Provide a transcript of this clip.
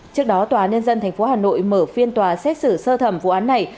trước đó tòa nhân dân tp hà nội mở phiên tòa xét xử sơ thẩm vụ án này